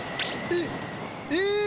えっ？